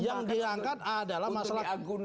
yang dirangkat adalah masalah crowding out nya